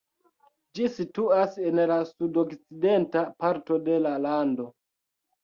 Ĝi situas en la sudokcidenta parto de la lando.